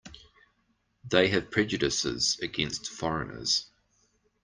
They have prejudices against foreigners.